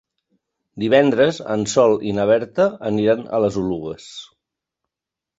Divendres en Sol i na Berta aniran a les Oluges.